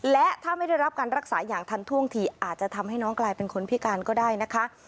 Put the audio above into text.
และถ้าไม่ได้รับการรักษาอย่างทันท่วงทีอาจจะทำให้น้องกลายเป็นคนพิการก็ได้นะคะ